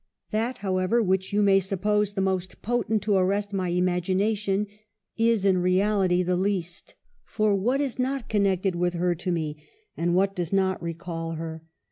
That, however, which you may suppose the most potent to arrest my imagination is in reality the least : for what is not connected with her to me ? and what does not recall her